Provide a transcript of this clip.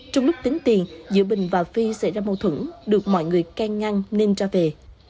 trong lúc tính tiền giữa bình và phi xảy ra mâu thuẫn được mọi người can ngăn nên ra về